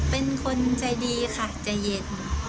เป็นคนใจดีค่ะใจเย็น